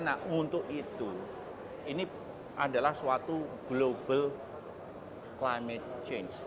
nah untuk itu ini adalah suatu global climate change